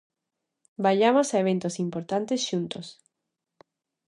Vaiamos a eventos importantes xuntos.